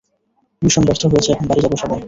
Mission ব্যর্থ হয়েছে, এখন বাড়ি যাব সবাই!